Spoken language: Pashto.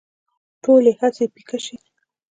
ټولې هڅې پيکه شي